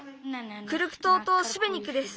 クルク島とシベニクです。